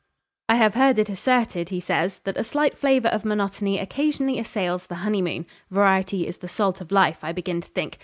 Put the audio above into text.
'I have heard it asserted,' he says, 'that a slight flavour of monotony occasionally assails the honeymoon. Variety is the salt of life, I begin to think.